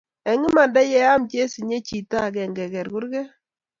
eng' imanda ye am chesinye chito agenge ker kurget